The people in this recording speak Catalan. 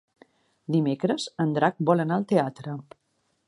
Dimecres en Drac vol anar al teatre.